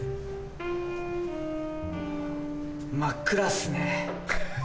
真っ暗っすね。